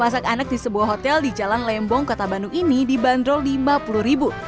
masak anak di sebuah hotel di jalan lembong kota bandung ini dibanderol rp lima puluh